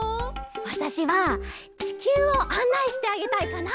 わたしはちきゅうをあんないしてあげたいかな！